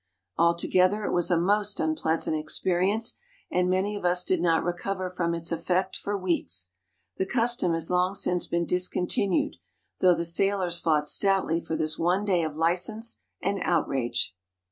Altogether it was a most unpleasant experience, and many of us did not recover from its effect for weeks. The custom has long since been discon tinued, though the sailors fought stoutly for this one day of license and outrage.